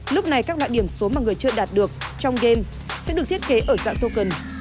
lúc này các loại điểm số mà người chưa đạt được trong đêm sẽ được thiết kế ở dạng token